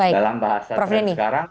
dalam bahasa trans sekarang